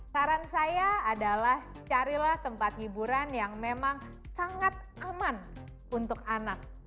saran saya adalah carilah tempat hiburan yang memang sangat aman untuk anak